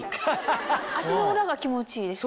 足の裏が気持ちいいです